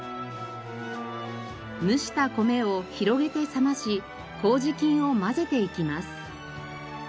蒸した米を広げて冷ましこうじ菌を混ぜていきます。